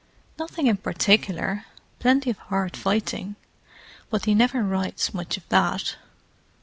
"Nothing in particular—plenty of hard fighting. But he never writes much of that.